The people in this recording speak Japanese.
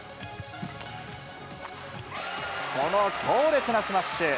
この強烈なスマッシュ。